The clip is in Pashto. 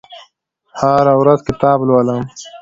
هره ورځ کتاب لولم